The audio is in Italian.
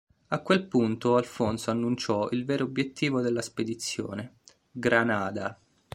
A quel punto Alfonso annunciò il vero obiettivo della spedizione: Granada.